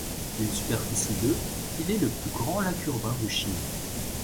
D'une superficie de il est le plus grand lac urbain de Chine.